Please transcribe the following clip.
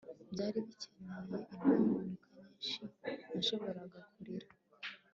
Byari bikeneye impinduka nyinshi nashoboraga kurira